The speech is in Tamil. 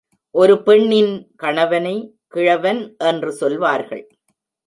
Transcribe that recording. ஒரு பெண்ணின் கணவனை, கிழவன் என்று சொல்வார்கள்.